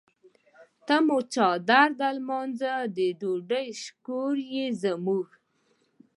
ته مو څادر د لمانځۀ د ډوډۍ شکور یې زموږ.